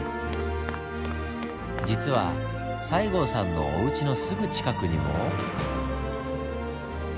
実は西郷さんのおうちのすぐ近くにも。